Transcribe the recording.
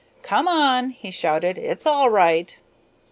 "Come on!" he shouted. "It's all right."